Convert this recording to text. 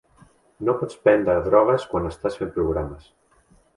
No pots prendre drogues quan estàs fent programes.